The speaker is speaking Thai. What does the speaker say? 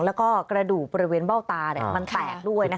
แล้วก็กระดูกบริเวณเบ้าตามันแตกด้วย